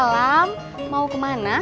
sampai di stadjak